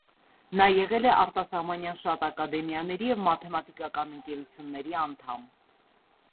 Նա եղել է արտասահմանյան շատ ակադեմիաների և մաթեմատիկական ընկերությունների անդամ։